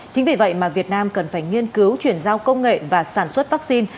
chính vì vậy mà việt nam cần phải nghiên cứu chuyển giao công nghệ và sản xuất vaccine